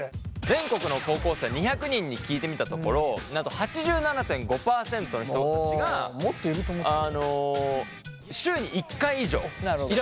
全国の高校生２００人に聞いてみたところなんと８７．５％の人たちが週に１回以上イラっとすると答えたんですって。